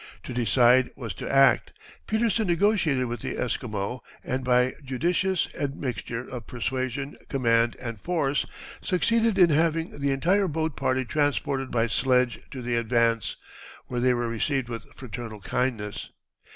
To decide was to act. Petersen negotiated with the Esquimaux, and by judicious admixture of persuasion, command, and force, succeeded in having the entire boat party transported by sledge to the Advance, where they were received with fraternal kindness.